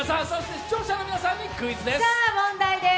視聴者の皆さんにクイズです。